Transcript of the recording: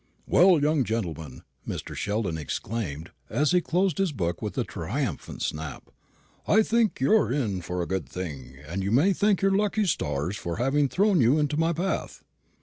"Well, young gentleman," Mr. Sheldon exclaimed, as he closed his book with a triumphant snap, "I think you're in for a good thing; and you may thank your lucky stars for having thrown you into my path."